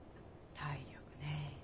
体力ねえ。